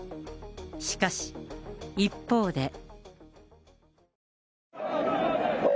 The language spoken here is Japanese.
しかし、一方で。